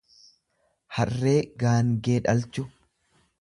harree gaangee dhalchu.